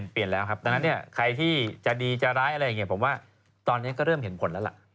เปลี่ยนแล้วครับดังนั้นเนี่ยใครที่จะดีจะร้ายอะไรอย่างนี้ผมว่าตอนนี้ก็เริ่มเห็นผลแล้วล่ะ